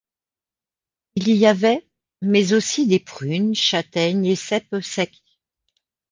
Il y avait mais aussi des prunes, châtaignes et cèpes secs.